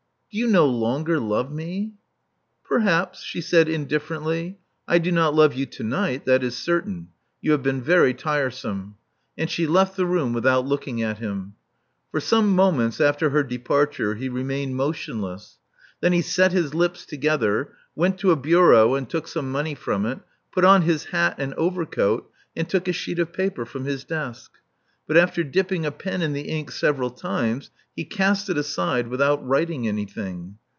Do you no longer love me?" Perhaps," she said, indifferently. I do not love you to night, that is certain. You have been very tiresome." And she left the room without looking at him. For some moments after her departure he remained motionless. Then he set his lips together; went to a bureau and took some money from it; put on his hat and overcoat; and took a sheet of paper from his desk. But after dipping a pen in the ink several times, he cast it aside without writing any thing.